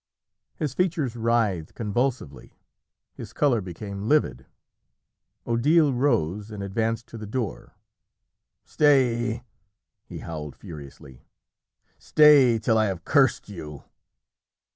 His features writhed convulsively, his colour became livid. Odile rose and advanced to the door. "Stay!" he howled furiously "stay till I have cursed you!"